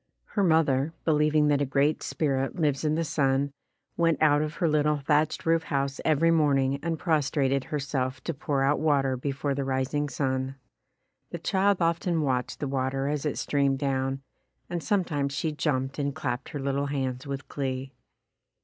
Her mother, believing that a Great Spirit lives in the sun, went out of her little thatched roof house every morning and prostrated herself to pour out water before the rising sun. The child often watched the water as it streamed down, and sometimes she jumped and clapped her little hands with glee.